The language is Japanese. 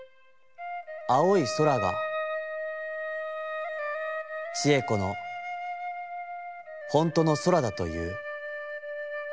青い空が智恵子のほんとの空だといふ。